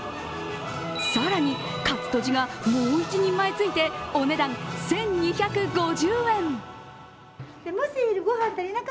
更に、カツとじがもう一人前ついてお値段１２５０円。